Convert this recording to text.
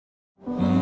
うん。